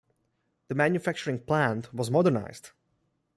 The manufacturing plant was modernized.